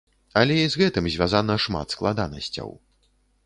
Але і з гэтым звязана шмат складанасцяў.